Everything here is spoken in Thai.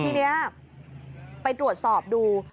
ทีนี้ไปตรวจสอบดู